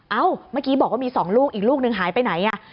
เมื่อกี้บอกว่ามี๒ลูกอีกลูกนึงหายไปไหนอ่ะ